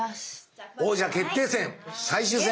王者決定戦最終戦！